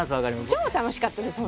超楽しかったです